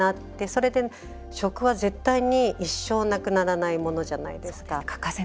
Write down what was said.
それで、食は絶対に一生なくならないものじゃないですか。